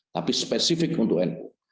tapi spesifik untuk nu